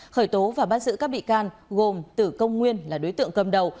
khởi tố và bắt giữ các bị can gồm tử công nguyên là đối tượng cầm đầu